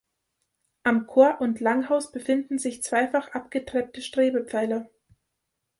Am Chor und Langhaus befinden sich zweifach abgetreppte Strebepfeiler.